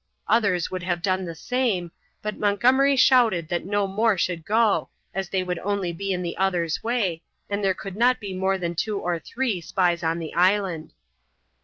Others would have done the same, but Montgomery shouted that no more should go, as they would only be in the others' way, and there could not be more than two or three spies on the island.